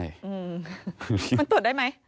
มันตรวจได้มั้ย